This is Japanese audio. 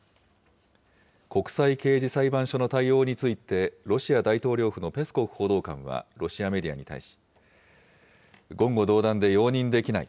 国際刑事裁判所の対応について、ロシア大統領府のペスコフ報道官はロシアメディアに対し、言語道断で容認できない。